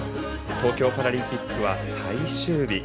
東京パラリンピックは最終日。